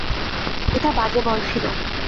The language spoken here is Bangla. এটা বাজে বল ছিল।